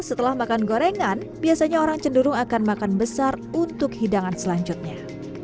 setelah makan gorengan biasanya orang cenderung akan makan besar untuk hidangan selanjutnya